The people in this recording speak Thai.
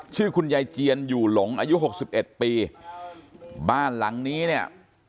ชื่อคุณยายเจียนอยู่หลงอายุหกสิบเอ็ดปีบ้านหลังนี้เนี่ย